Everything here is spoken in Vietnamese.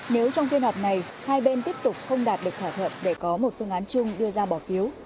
nếu trong phiên họp này hai bên tiếp tục không đạt được thỏa thuận để có một phương án chung đưa ra bỏ phiếu